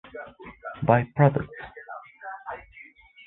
Buy products".